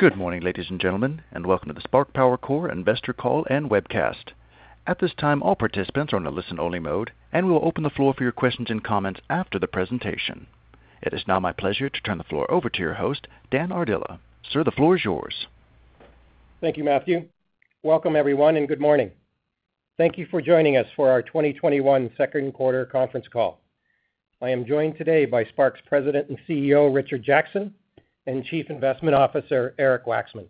Good morning, ladies and gentlemen, and welcome to the Spark Power Corp Investor Call and Webcast. At this time, all participants are in a listen-only mode, and we will open the floor for your questions and comments after the presentation. It is now my pleasure to turn the floor over to your host, Dan Ardila. Sir, the floor is yours. Thank you, Matthew. Welcome everyone. Good morning. Thank you for joining us for our 2021 second quarter conference call. I am joined today by Spark's President and CEO, Richard Jackson, and Chief Investment Officer, Eric Waxman.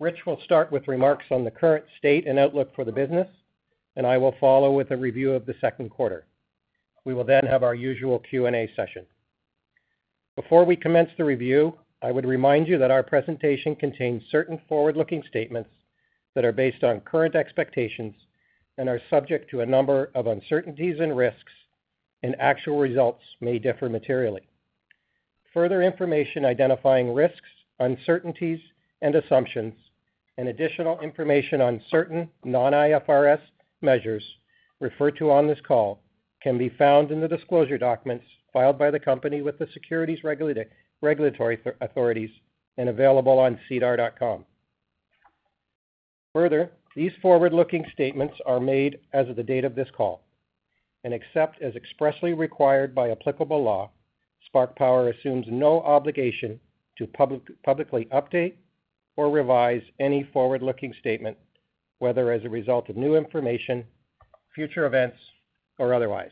Rich will start with remarks on the current state and outlook for the business, and I will follow with a review of the second quarter. We will have our usual Q&A session. Before we commence the review, I would remind you that our presentation contains certain forward-looking statements that are based on current expectations and are subject to a number of uncertainties and risks, and actual results may differ materially. Further information identifying risks, uncertainties, and assumptions, and additional information on certain non-IFRS measures referred to on this call can be found in the disclosure documents filed by the company with the securities regulatory authorities and available on SEDAR+. Further, these forward-looking statements are made as of the date of this call, and except as expressly required by applicable law, Spark Power assumes no obligation to publicly update or revise any forward-looking statement, whether as a result of new information, future events, or otherwise.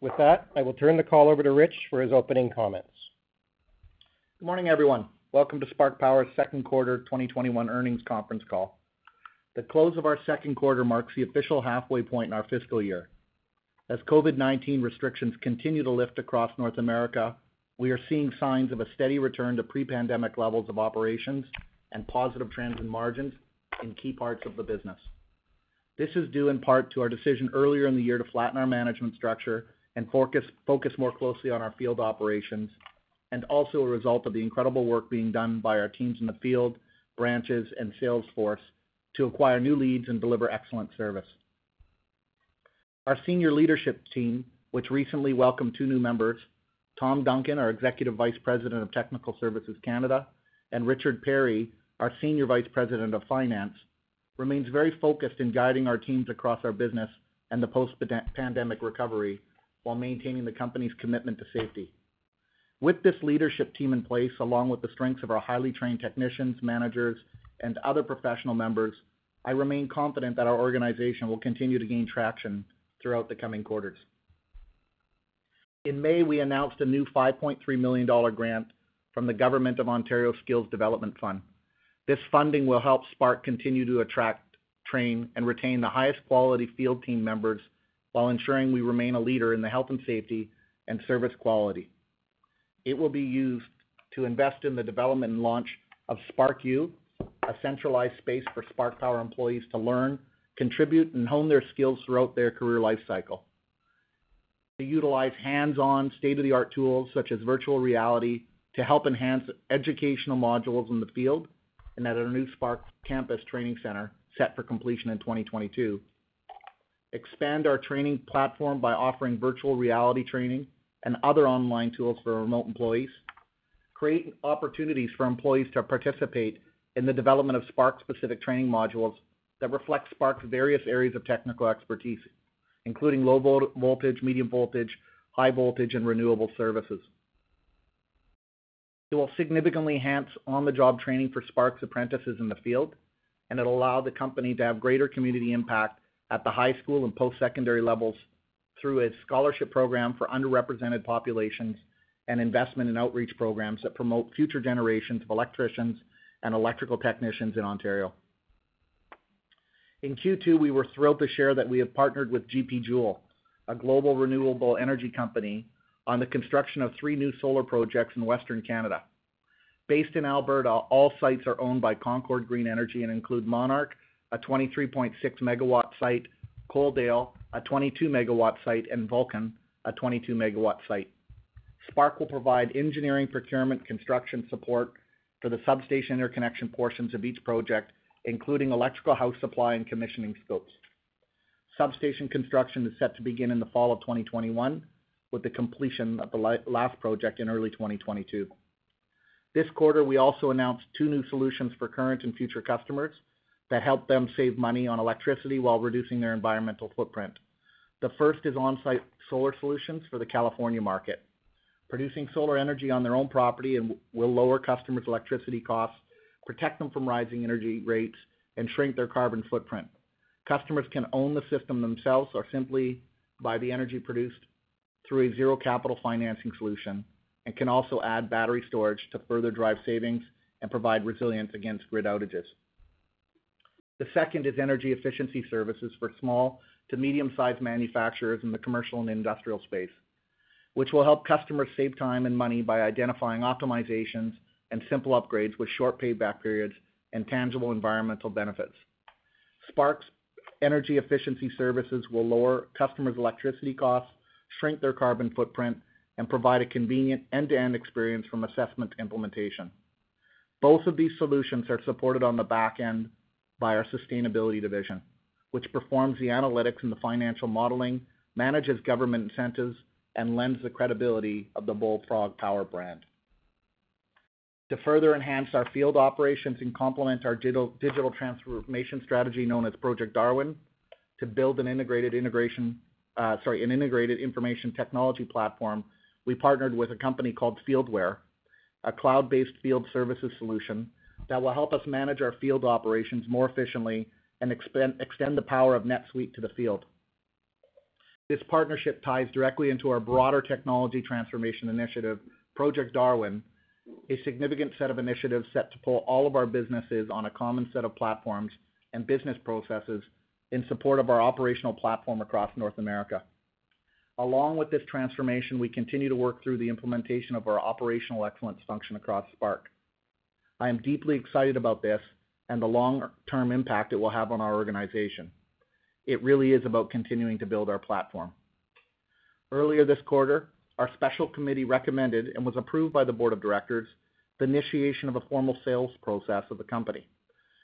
With that, I will turn the call over to Rich for his opening comments. Good morning, everyone. Welcome to Spark Power's second quarter 2021 earnings conference call. The close of our second quarter marks the official halfway point in our fiscal year. As COVID-19 restrictions continue to lift across North America, we are seeing signs of a steady return to pre-pandemic levels of operations and positive trends in margins in key parts of the business. This is due in part to our decision earlier in the year to flatten our management structure and focus more closely on our field operations, and also a result of the incredible work being done by our teams in the field, branches, and sales force to acquire new leads and deliver excellent service. Our senior leadership team, which recently welcomed two new members, Tom Duncan, our Executive Vice President of Technical Services, Canada, and Richard Perri, our Senior Vice President, Finance, remains very focused in guiding our teams across our business and the post-pandemic recovery while maintaining the company's commitment to safety. With this leadership team in place, along with the strengths of our highly trained technicians, managers, and other professional members, I remain confident that our organization will continue to gain traction throughout the coming quarters. In May, we announced a new 5.3 million dollar grant from the Government of Ontario Skills Development Fund. This funding will help Spark continue to attract, train, and retain the highest quality field team members while ensuring we remain a leader in the health and safety and service quality. It will be used to invest in the development and launch of Spark U, a centralized space for Spark Power employees to learn, contribute, and hone their skills throughout their career life cycle, to utilize hands-on, state-of-the-art tools such as virtual reality to help enhance educational modules in the field, and at our new Spark campus training center, set for completion in 2022, expand our training platform by offering virtual reality training and other online tools for our remote employees, create opportunities for employees to participate in the development of Spark-specific training modules that reflect Spark's various areas of technical expertise, including low voltage, medium voltage, high voltage, and renewable services. It will significantly enhance on-the-job training for Spark's apprentices in the field, and it'll allow the company to have greater community impact at the high school and post-secondary levels through its scholarship program for underrepresented populations and investment in outreach programs that promote future generations of electricians and electrical technicians in Ontario. In Q2, we were thrilled to share that we have partnered with GP JOULE, a global renewable energy company, on the construction of three new solar projects in Western Canada. Based in Alberta, all sites are owned by Concord Green Energy and include Monarch, a 23.6 MW site, Coaldale, a 22 MW site, and Vulcan, a 22 MW site. Spark will provide engineering, procurement, construction support for the substation interconnection portions of each project, including electrical house supply and commissioning scopes. Substation construction is set to begin in the fall of 2021, with the completion of the last project in early 2022. This quarter, we also announced two new solutions for current and future customers that help them save money on electricity while reducing their environmental footprint. The first is on-site solar solutions for the California market. Producing solar energy on their own property will lower customers' electricity costs, protect them from rising energy rates, and shrink their carbon footprint. Customers can own the system themselves or simply buy the energy produced through a zero-capital financing solution and can also add battery storage to further drive savings and provide resilience against grid outages. The second is energy efficiency services for small to medium-sized manufacturers in the commercial and industrial space, which will help customers save time and money by identifying optimizations and simple upgrades with short payback periods and tangible environmental benefits. Spark's energy efficiency services will lower customers' electricity costs, shrink their carbon footprint, and provide a convenient end-to-end experience from assessment to implementation. Both of these solutions are supported on the back end by our sustainability division, which performs the analytics and the financial modeling, manages government incentives, and lends the credibility of the Bullfrog Power brand. To further enhance our field operations and complement our digital transformation strategy, known as Project Darwin, to build an integrated information technology platform, we partnered with a company called FieldAware, a cloud-based field services solution that will help us manage our field operations more efficiently and extend the power of NetSuite to the field. This partnership ties directly into our broader technology transformation initiative, Project Darwin, a significant set of initiatives set to pull all of our businesses on a common set of platforms and business processes in support of our operational platform across North America. Along with this transformation, we continue to work through the implementation of our operational excellence function across Spark. I am deeply excited about this and the long-term impact it will have on our organization. It really is about continuing to build our platform. Earlier this quarter, our special committee recommended, and was approved by the board of directors, the initiation of a formal sales process of the company,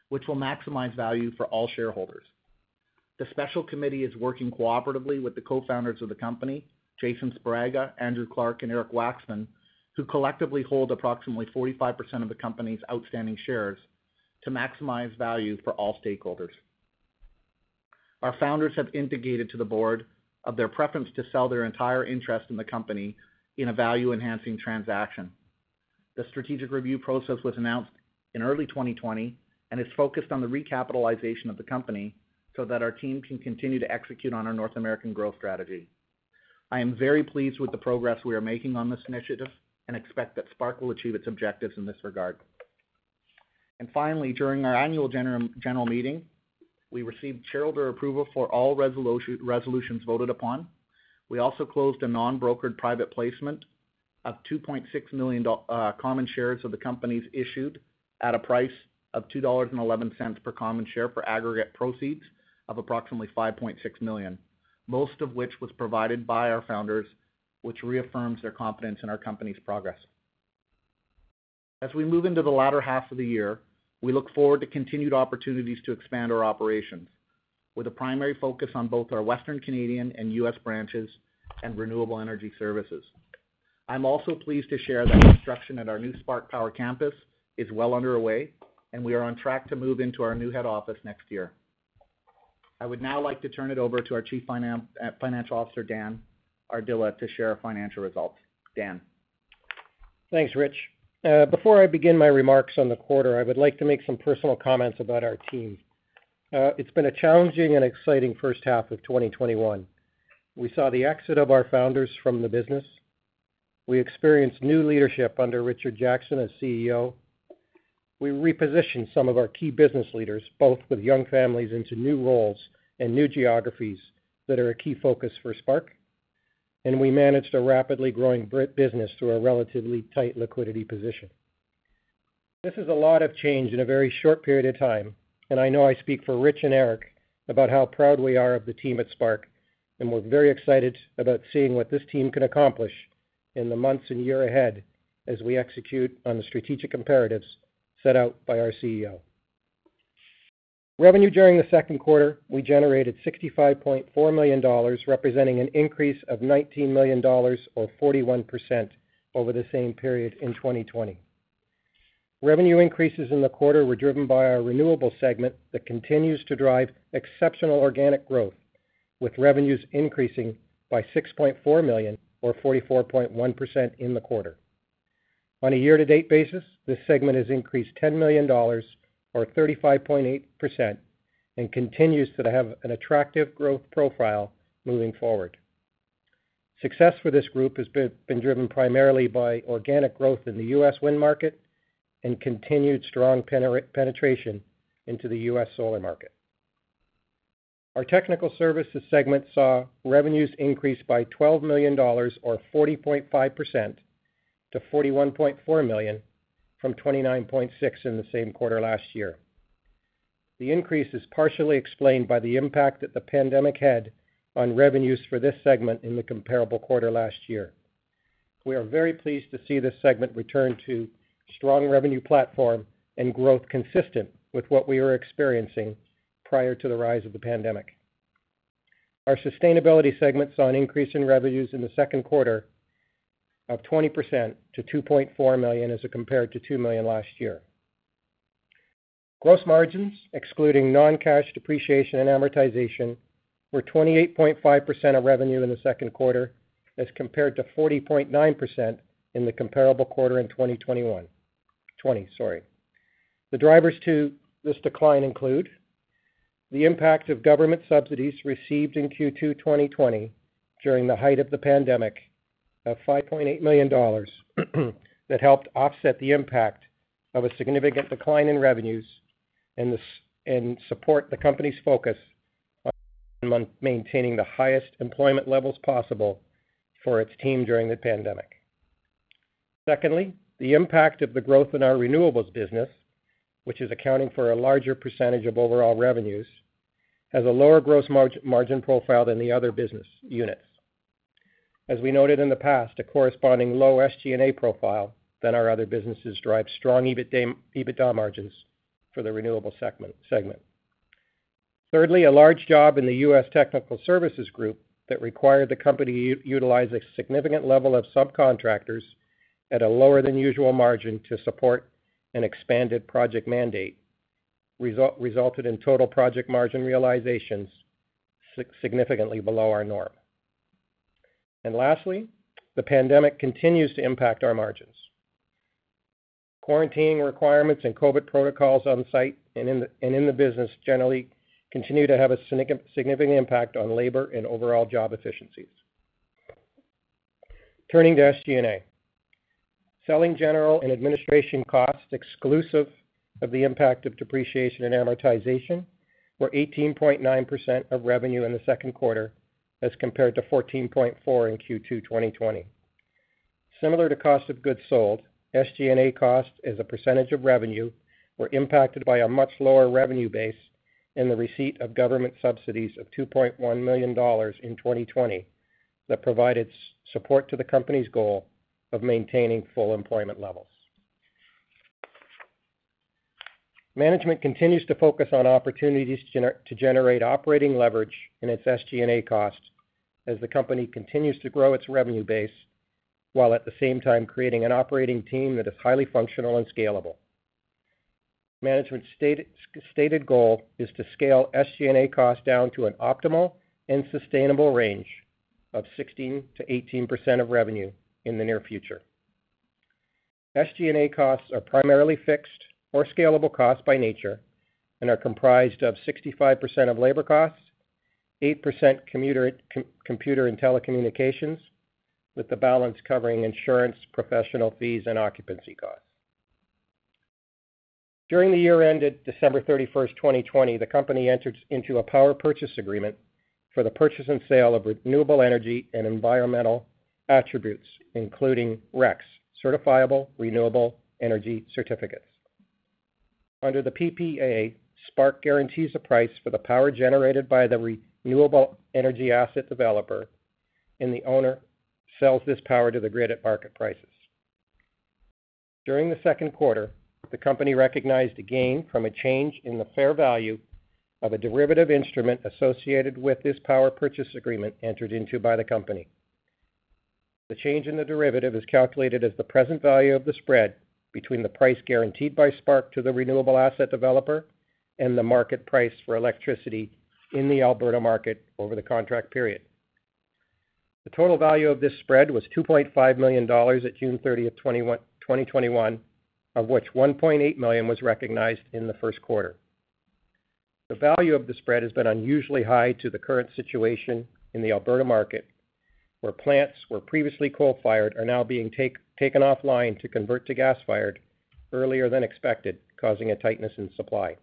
which will maximize value for all shareholders. The special committee is working cooperatively with the co-founders of the company, Jason Sparaga, Andrew Clark, and Eric Waxman, who collectively hold approximately 45% of the company's outstanding shares, to maximize value for all stakeholders. Our founders have indicated to the board of their preference to sell their entire interest in the company in a value-enhancing transaction. The strategic review process was announced in early 2020 and is focused on the recapitalization of the company so that our team can continue to execute on our North American growth strategy. I am very pleased with the progress we are making on this initiative and expect that Spark will achieve its objectives in this regard. Finally, during our annual general meeting, we received shareholder approval for all resolutions voted upon. We also closed a non-brokered private placement of 2.6 million common shares of the companies issued at a price of 2.11 dollars per common share for aggregate proceeds of approximately 5.6 million, most of which was provided by our founders, which reaffirms their confidence in our company's progress. As we move into the latter half of the year, we look forward to continued opportunities to expand our operations with a primary focus on both our Western Canadian and U.S. branches and renewable energy services. I'm also pleased to share that construction at our new Spark Power campus is well underway, and we are on track to move into our new head office next year. I would now like to turn it over to our Chief Financial Officer, Dan Ardila, to share our financial results. Dan? Thanks, Rich. Before I begin my remarks on the quarter, I would like to make some personal comments about our team. It's been a challenging and exciting 1st half of 2021. We saw the exit of our founders from the business. We experienced new leadership under Richard Jackson as CEO. We repositioned some of our key business leaders, both with young families, into new roles and new geographies that are a key focus for Spark. We managed a rapidly growing business through a relatively tight liquidity position. This is a lot of change in a very short period of time, and I know I speak for Rich and Eric about how proud we are of the team at Spark, and we're very excited about seeing what this team can accomplish in the months and year ahead as we execute on the strategic imperatives set out by our CEO. Revenue during the second quarter, we generated 65.4 million dollars, representing an increase of 19 million dollars or 41% over the same period in 2020. Revenue increases in the quarter were driven by our renewable segment that continues to drive exceptional organic growth, with revenues increasing by 6.4 million or 44.1% in the quarter. On a year-to-date basis, this segment has increased 10 million dollars or 35.8% and continues to have an attractive growth profile moving forward. Success for this group has been driven primarily by organic growth in the U.S. wind market and continued strong penetration into the U.S. solar market. Our technical services segment saw revenues increase by 12 million dollars or 40.5% to 41.4 million from 29.6 million in the same quarter last year. The increase is partially explained by the impact that the pandemic had on revenues for this segment in the comparable quarter last year. We are very pleased to see this segment return to strong revenue platform and growth consistent with what we were experiencing prior to the rise of the pandemic. Our sustainability segment saw an increase in revenues in the second quarter of 20% to 2.4 million as compared to 2 million last year. Gross margins, excluding non-cash depreciation and amortization, were 28.5% of revenue in the second quarter as compared to 40.9% in the comparable quarter in 2021. 2020, sorry. The drivers to this decline include the impact of government subsidies received in Q2 2020 during the height of the pandemic of 5.8 million dollars that helped offset the impact of a significant decline in revenues and support the company's focus on maintaining the highest employment levels possible for its team during the pandemic. Secondly, the impact of the growth in our renewables business, which is accounting for a larger percentage of overall revenues, has a lower gross margin profile than the other business units. As we noted in the past, a corresponding low SG&A profile than our other businesses drive strong EBITDA margins for the renewable segment. Thirdly, a large job in the U.S. technical services group that required the company utilize a significant level of subcontractors at a lower than usual margin to support an expanded project mandate resulted in total project margin realizations significantly below our norm. Lastly, the pandemic continues to impact our margins. Quarantine requirements and COVID-19 protocols on site and in the business generally continue to have a significant impact on labor and overall job efficiencies. Turning to SG&A. Selling general and administration costs exclusive of the impact of depreciation and amortization were 18.9% of revenue in the second quarter as compared to 14.4% in Q2 2020. Similar to cost of goods sold, SG&A costs as a percentage of revenue were impacted by a much lower revenue base and the receipt of government subsidies of 2.1 million dollars in 2020 that provided support to the company's goal of maintaining full employment levels. Management continues to focus on opportunities to generate operating leverage in its SG&A costs as the company continues to grow its revenue base, while at the same time creating an operating team that is highly functional and scalable. Management's stated goal is to scale SG&A costs down to an optimal and sustainable range of 16%-18% of revenue in the near future. SG&A costs are primarily fixed or scalable costs by nature and are comprised of 65% of labor costs, 8% computer and telecommunications, with the balance covering insurance, professional fees, and occupancy costs. During the year ended December 31st, 2020, the company entered into a power purchase agreement for the purchase and sale of renewable energy and environmental attributes, including RECs, Certifiable Renewable Energy Certificates. Under the PPA, Spark guarantees a price for the power generated by the renewable energy asset developer, and the owner sells this power to the grid at market prices. During the second quarter, the company recognized a gain from a change in the fair value of a derivative instrument associated with this power purchase agreement entered into by the company. The change in the derivative is calculated as the present value of the spread between the price guaranteed by Spark Power to the renewable asset developer and the market price for electricity in the Alberta market over the contract period. The total value of this spread was 2.5 million dollars at June 30th, 2021, of which 1.8 million was recognized in the first quarter. The value of the spread has been unusually high to the current situation in the Alberta market, where plants where previously coal-fired are now being taken offline to convert to gas-fired earlier than expected, causing a tightness in supply.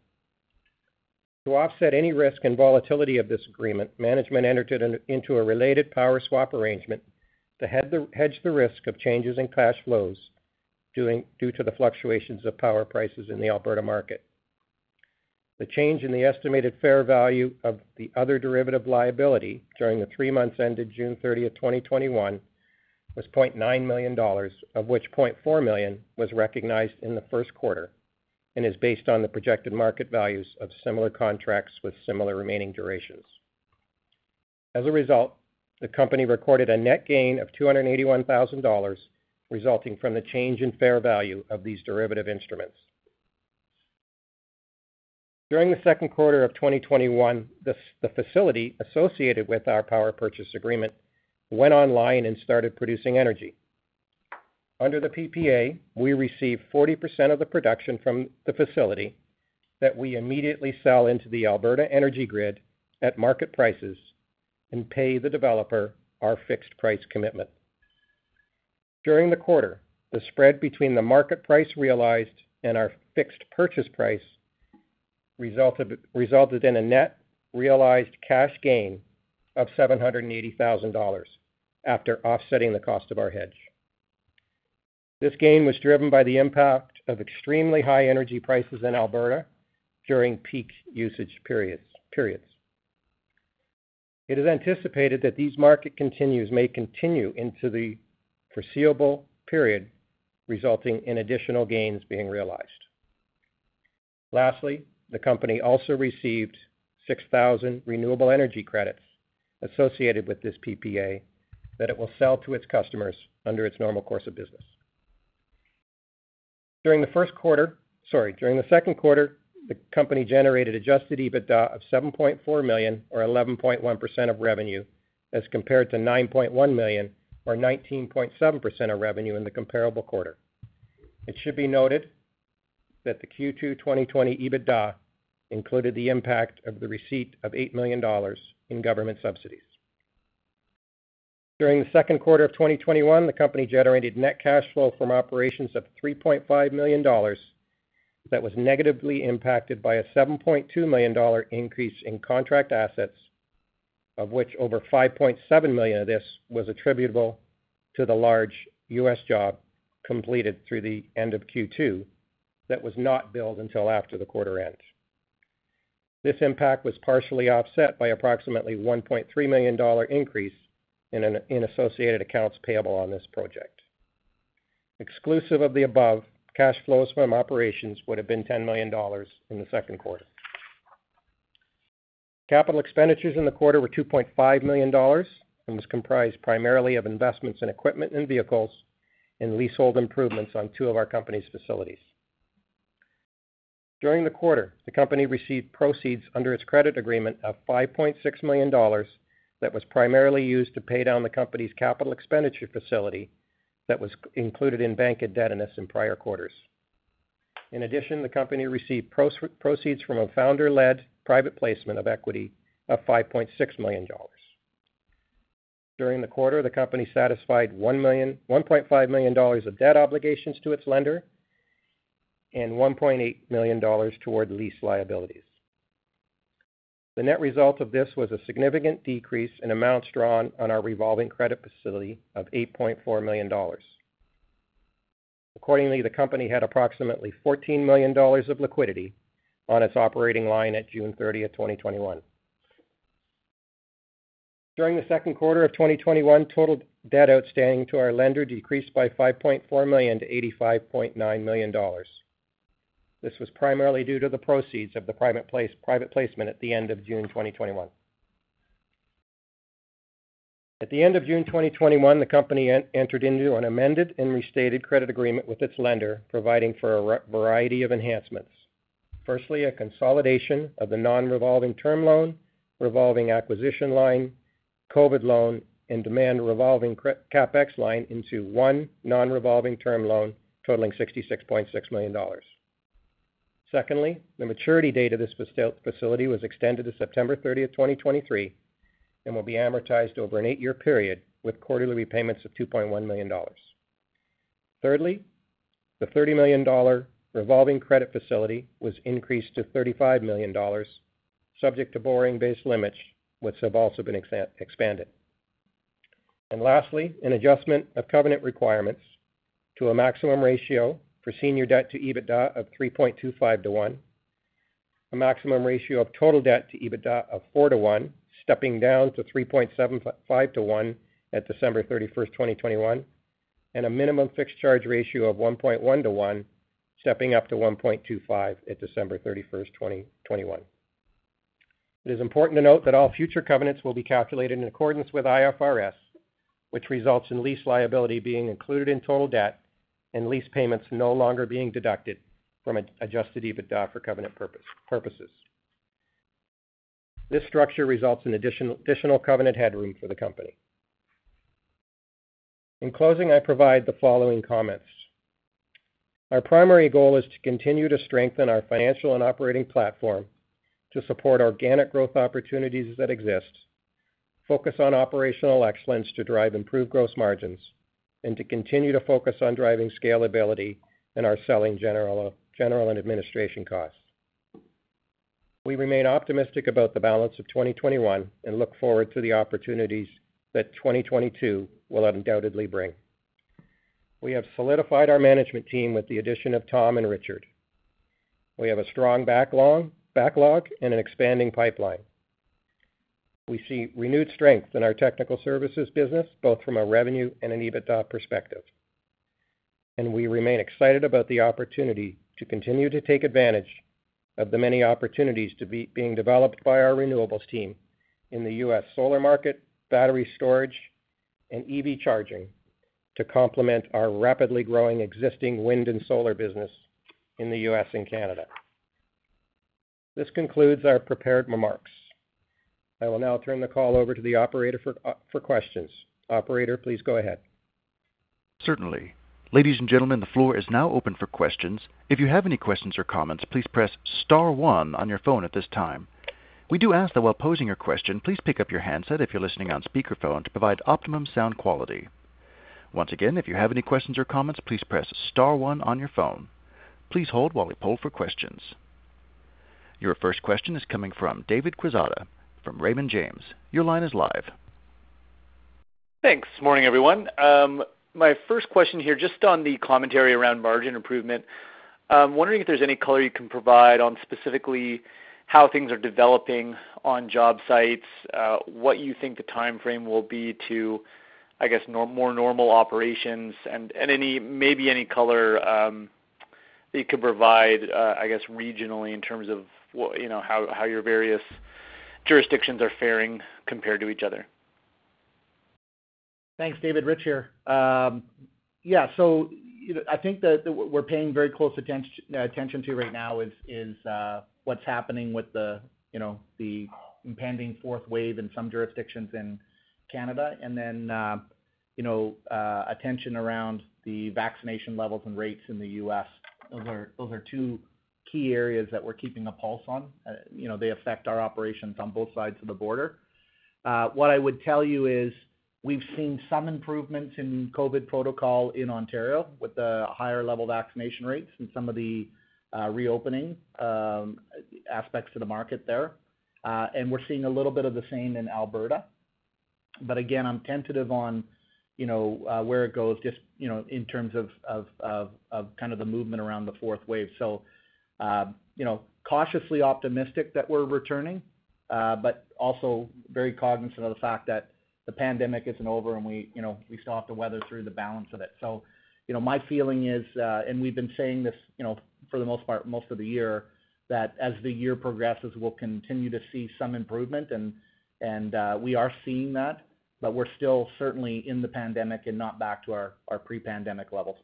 To offset any risk and volatility of this agreement, management entered into a related power swap arrangement to hedge the risk of changes in cash flows due to the fluctuations of power prices in the Alberta market. The change in the estimated fair value of the other derivative liability during the three months ended June 30th, 2021 was 0.9 million dollars, of which 0.4 million was recognized in the first quarter and is based on the projected market values of similar contracts with similar remaining durations. As a result, the company recorded a net gain of 281,000 dollars resulting from the change in fair value of these derivative instruments. During the second quarter of 2021, the facility associated with our power purchase agreement went online and started producing energy. Under the PPA, we receive 40% of the production from the facility that we immediately sell into the Alberta energy grid at market prices and pay the developer our fixed price commitment. During the quarter, the spread between the market price realized and our fixed purchase price resulted in a net realized cash gain of 780,000 dollars after offsetting the cost of our hedge. This gain was driven by the impact of extremely high energy prices in Alberta during peak usage periods. It is anticipated that these market conditions may continue into the foreseeable period, resulting in additional gains being realized. Lastly, the company also received 6,000 Renewable Energy Credits associated with this PPA that it will sell to its customers under its normal course of business. During the second quarter, the company generated adjusted EBITDA of 7.4 million or 11.1% of revenue as compared to 9.1 million or 19.7% of revenue in the comparable quarter. It should be noted that the Q2 2020 EBITDA included the impact of the receipt of 8 million dollars in government subsidies. During the second quarter of 2021, the company generated net cash flow from operations of 3.5 million dollars that was negatively impacted by a 7.2 million dollar increase in contract assets, of which over 5.7 million of this was attributable to the large U.S. job completed through the end of Q2 that was not billed until after the quarter end. This impact was partially offset by approximately 1.3 million dollar increase in associated accounts payable on this project. Exclusive of the above, cash flows from operations would have been 10 million dollars in the second quarter. Capital expenditures in the quarter were 2.5 million dollars and was comprised primarily of investments in equipment and vehicles and leasehold improvements on two of our company's facilities. During the quarter, the company received proceeds under its credit agreement of 5.6 million dollars that was primarily used to pay down the company's capital expenditure facility that was included in bank debt in this in prior quarters. In addition, the company received proceeds from a founder-led private placement of equity of 5.6 million dollars. During the quarter, the company satisfied 1.5 million dollars of debt obligations to its lender and 1.8 million dollars toward lease liabilities. The net result of this was a significant decrease in amounts drawn on our revolving credit facility of 8.4 million dollars. Accordingly, the company had approximately 14 million dollars of liquidity on its operating line at June 30th, 2021. During the 2Q of 2021, total debt outstanding to our lender decreased by 5.4 million to 85.9 million dollars. This was primarily due to the proceeds of the private placement at the end of June 2021. At the end of June 2021, the company entered into an amended and restated credit agreement with its lender, providing for a variety of enhancements. Firstly, a consolidation of the non-revolving term loan, revolving acquisition line, COVID loan, and demand revolving CapEx line into one non-revolving term loan totaling 66.6 million dollars. Secondly, the maturity date of this facility was extended to September 30th, 2023 and will be amortized over an eight-year period with quarterly repayments of 2.1 million dollars. Thirdly, the 30 million dollar revolving credit facility was increased to 35 million dollars, subject to borrowing base limits, which have also been expanded. Lastly, an adjustment of covenant requirements to a maximum ratio for senior debt to EBITDA of 3.25:1, a maximum ratio of total debt to EBITDA of 4:1, stepping down to 3.75:1 at December 31, 2021, and a minimum fixed charge ratio of 1.1:1, stepping up to 1.25:1 at December 31, 2021. It is important to note that all future covenants will be calculated in accordance with IFRS, which results in lease liability being included in total debt and lease payments no longer being deducted from adjusted EBITDA for covenant purposes. This structure results in additional covenant headroom for the company. In closing, I provide the following comments. Our primary goal is to continue to strengthen our financial and operating platform to support organic growth opportunities that exist, focus on operational excellence to drive improved gross margins, and to continue to focus on driving scalability in our selling general and administration costs. We remain optimistic about the balance of 2021 and look forward to the opportunities that 2022 will undoubtedly bring. We have solidified our management team with the addition of Tom and Richard. We have a strong backlog and an expanding pipeline. We see renewed strength in our technical services business, both from a revenue and an EBITDA perspective. We remain excited about the opportunity to continue to take advantage of the many opportunities being developed by our renewables team in the U.S. solar market, battery storage, and EV charging to complement our rapidly growing existing wind and solar business in the U.S. and Canada. This concludes our prepared remarks. I will now turn the call over to the operator for questions. Operator, please go ahead. Certainly. Ladies and gentlemen, the floor is now open for questions. If you have any questions or comments, please press star one on your phone at this time. We do ask that while posing your question, please pick up your handset if you're listening on speakerphone to provide optimum sound quality. Once again, if you have any questions or comments, please press star one on your phone. Please hold while we poll for questions. Your first question is coming from David Quezada from Raymond James. Your line is live. Thanks. Morning, everyone. My first question here, just on the commentary around margin improvement. I'm wondering if there's any color you can provide on specifically how things are developing on job sites, what you think the timeframe will be to, I guess, more normal operations and maybe any color you could provide, I guess, regionally in terms of how your various jurisdictions are faring compared to each other? Thanks, David. Rich here. I think that what we're paying very close attention to right now is what's happening with the impending fourth wave in some jurisdictions in Canada, and then attention around the vaccination levels and rates in the U.S. Those are two key areas that we're keeping a pulse on. They affect our operations on both sides of the border. What I would tell you is we've seen some improvements in COVID-19 protocol in Ontario with the higher level vaccination rates and some of the reopening aspects to the market there. We're seeing a little bit of the same in Alberta. Again, I'm tentative on where it goes just in terms of the movement around the fourth wave. Cautiously optimistic that we're returning, but also very cognizant of the fact that the pandemic isn't over and we still have to weather through the balance of it. My feeling is, and we've been saying this for the most part, most of the year, that as the year progresses, we'll continue to see some improvement and we are seeing that, but we're still certainly in the pandemic and not back to our pre-pandemic levels.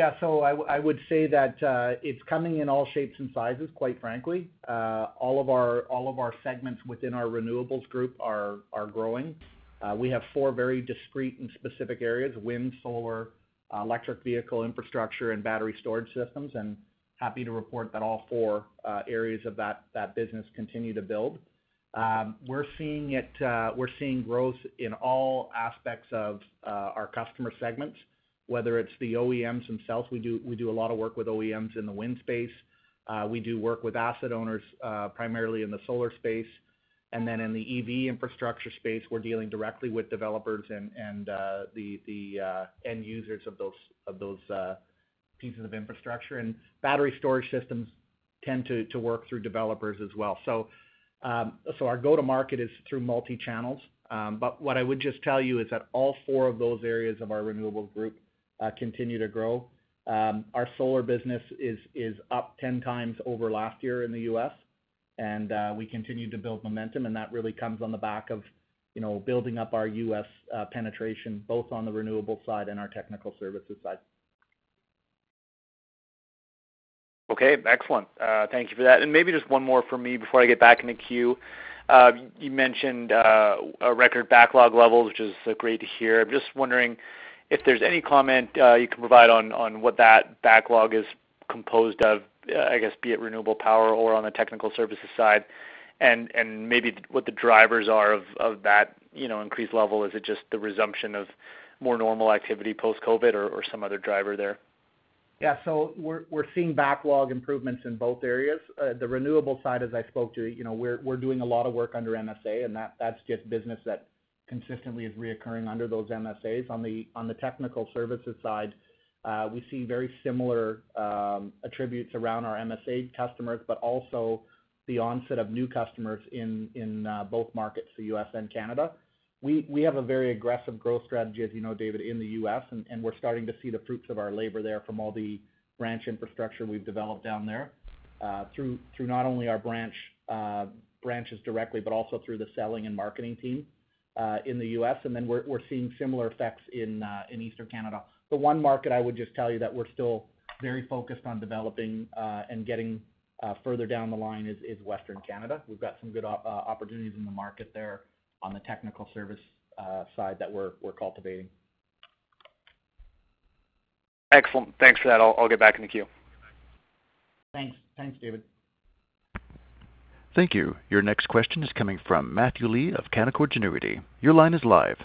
I would say that it's coming in all shapes and sizes, quite frankly. All of our segments within our renewables group are growing. We have four very discreet and specific areas, wind, solar, electric vehicle infrastructure, and battery storage systems, and happy to report that all four areas of that business continue to build. We're seeing growth in all aspects of our customer segments, whether it's the OEMs themselves. We do a lot of work with OEMs in the wind space. We do work with asset owners, primarily in the solar space. In the EV infrastructure space, we're dealing directly with developers and the end users of those pieces of infrastructure. Battery storage systems tend to work through developers as well. Our go-to market is through multi-channels. What I would just tell you is that all four of those areas of our renewables group continue to grow. Our solar business is up 10 times over last year in the U.S., and we continue to build momentum, and that really comes on the back of building up our U.S. penetration, both on the renewable side and our Technical Services side. Okay, excellent. Thank you for that. Maybe just one more from me before I get back in the queue. You mentioned a record backlog level, which is great to hear. I am just wondering if there is any comment you can provide on what that backlog is composed of, I guess, be it renewable power or on the technical services side, and maybe what the drivers are of that increased level. Is it just the resumption of more normal activity post-COVID or some other driver there? Yeah. We're seeing backlog improvements in both areas. The renewables side, as I spoke to, we're doing a lot of work under MSA, and that's just business that consistently is reoccurring under those MSAs. On the technical services side, we see very similar attributes around our MSA customers, but also the onset of new customers in both markets, the U.S. and Canada. We have a very aggressive growth strategy, as you know, David, in the U.S., and we're starting to see the fruits of our labor there from all the branch infrastructure we've developed down there, through not only our branches directly, but also through the selling and marketing team in the U.S. We're seeing similar effects in Eastern Canada. The one market I would just tell you that we're still very focused on developing and getting further down the line is Western Canada. We've got some good opportunities in the market there on the technical service side that we're cultivating. Excellent. Thanks for that. I'll get back in the queue. Thanks, David. Thank you. Your next question is coming from Matthew Lee of Canaccord Genuity. Your line is live.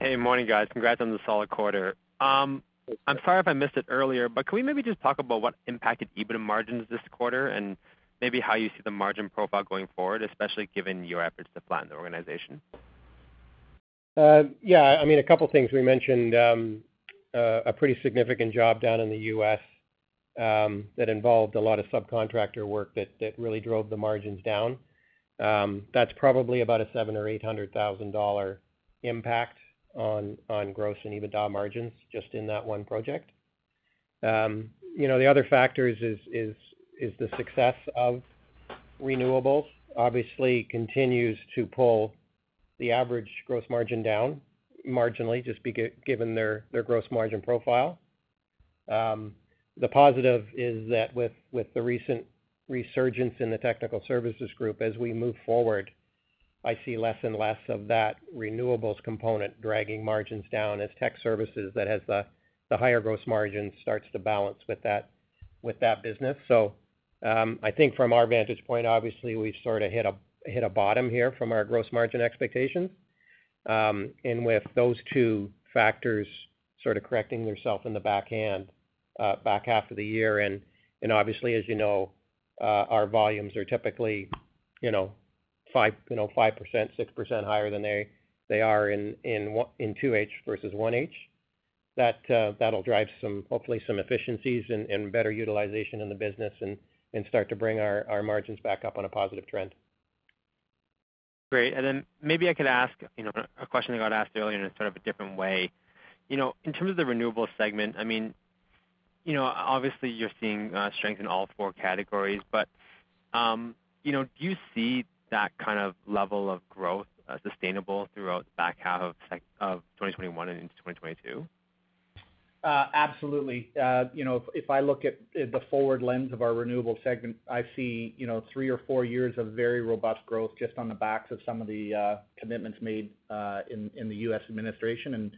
Hey, morning guys. Congrats on the solid quarter. I'm sorry if I missed it earlier, but can we maybe just talk about what impacted EBITDA margins this quarter and maybe how you see the margin profile going forward, especially given your efforts to flatten the organization? Yeah. A couple of things. We mentioned a pretty significant job down in the U.S. that involved a lot of subcontractor work that really drove the margins down. That's probably about a 700,000 or 800,000 dollar impact on gross and EBITDA margins just in that one project. The other factor is the success of renewables obviously continues to pull the average gross margin down marginally, just given their gross margin profile. The positive is that with the recent resurgence in the technical services group as we move forward, I see less and less of that renewables component dragging margins down as tech services that has the higher gross margin starts to balance with that business. I think from our vantage point, obviously, we've sort of hit a bottom here from our gross margin expectations. With those two factors sort of correcting themselves in the back half of the year, and obviously, as you know, our volumes are typically 5%-6% higher than they are in 2H versus 1H. That'll drive hopefully some efficiencies and better utilization in the business and start to bring our margins back up on a positive trend. Great. Maybe I could ask a question that got asked earlier in a sort of a different way. In terms of the renewables segment, obviously you're seeing strength in all four categories, but do you see that kind of level of growth sustainable throughout the back half of 2021 and into 2022? Absolutely. If I look at the forward lens of our renewables segment, I see three or four years of very robust growth just on the backs of some of the commitments made in the U.S. administration and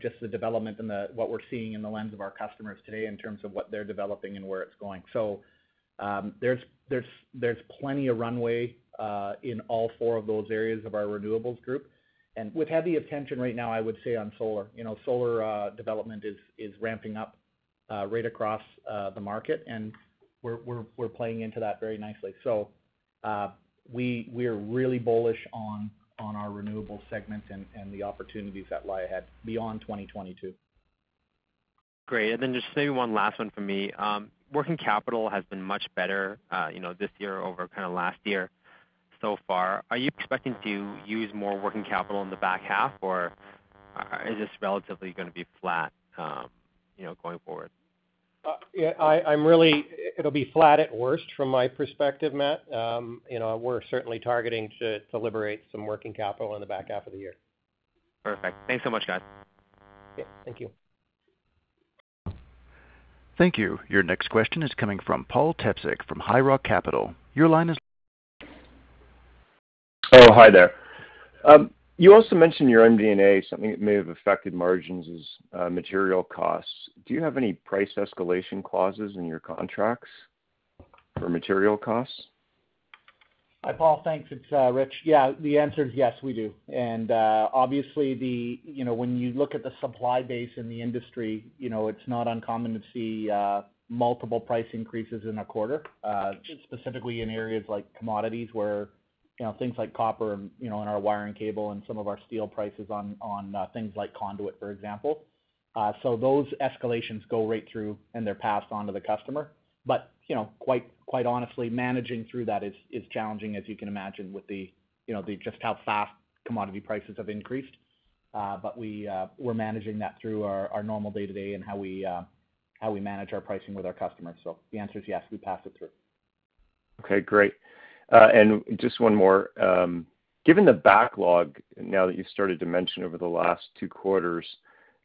just the development and what we're seeing in the lens of our customers today in terms of what they're developing and where it's going. There's plenty of runway in all four of those areas of our renewables group, and with heavy attention right now, I would say on solar. Solar development is ramping up right across the market, and we're playing into that very nicely. We are really bullish on our renewables segment and the opportunities that lie ahead beyond 2022. Great. Just maybe one last one from me. Working capital has been much better this year over last year so far. Are you expecting to use more working capital in the back half, or is this relatively going to be flat going forward? It'll be flat at worst from my perspective, Matt. We're certainly targeting to liberate some working capital in the back half of the year. Perfect. Thanks so much, guys. Yeah. Thank you. Thank you. Your next question is coming from Paul Tepsich from High Rock Capital. Your line is- Oh, hi there. You also mentioned your own MD&A, something that may have affected margins is material costs. Do you have any price escalation clauses in your contracts for material costs? Hi, Paul. Thanks. It's Rich. Yeah, the answer is yes, we do. Obviously, when you look at the supply base in the industry, it's not uncommon to see multiple price increases in a quarter, specifically in areas like commodities where things like copper in our wiring cable and some of our steel prices on things like conduit, for example. Those escalations go right through, and they're passed on to the customer. Quite honestly, managing through that is challenging, as you can imagine, with just how fast commodity prices have increased. We're managing that through our normal day-to-day and how we manage our pricing with our customers. The answer is yes; we pass it through. Okay, great. Just one more. Given the backlog now that you've started to mention over the last two quarters,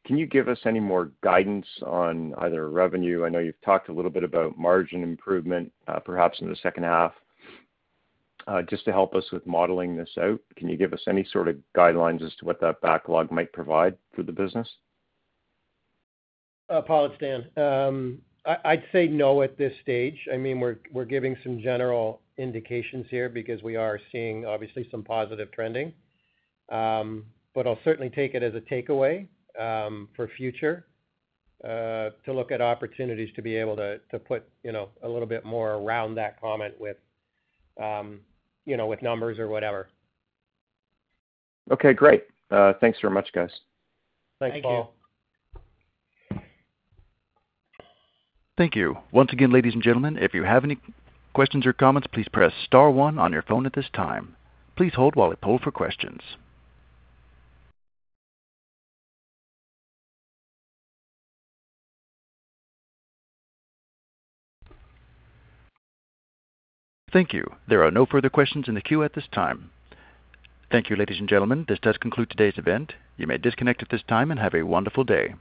can you give us any more guidance on either revenue? I know you've talked a little bit about margin improvement, perhaps in the second half. Just to help us with modeling this out, can you give us any sort of guidelines as to what that backlog might provide for the business? Paul, it's Dan. I'd say no at this stage. We're giving some general indications here because we are seeing obviously some positive trending. I'll certainly take it as a takeaway for future to look at opportunities to be able to put a little bit more around that comment with numbers or whatever. Okay, great. Thanks very much, guys. Thanks, Paul. Thank you. Thank you. Once again, ladies and gentlemen, if you have any questions or comments, please press star one on your phone at this time. Please hold while we poll for questions. Thank you. There are no further questions in the queue at this time. Thank you, ladies and gentlemen, this does conclude today's event. You may disconnect at this time and have a wonderful day.